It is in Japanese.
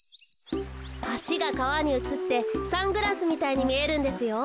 はしがかわにうつってサングラスみたいにみえるんですよ。